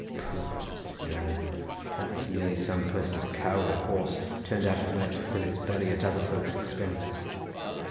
"Pooh," said I, "that was merely some person's cow or horse, turned out at night to fill its belly at other folks' expense."